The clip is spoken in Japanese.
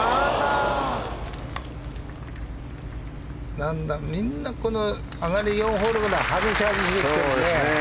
なんだ、みんなこの上がり４ホールぐらい外してるね。